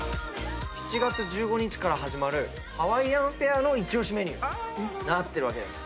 ７月１５日から始まるハワイアンフェアの一押しメニューになってるわけです。